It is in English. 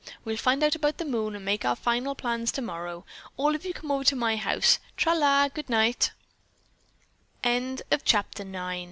We'll find out about the moon and make our final plans tomorrow. All of you come over to my house. Tra la. Good night!"